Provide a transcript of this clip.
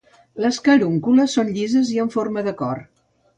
Les carúncules són llises i en forma de cor.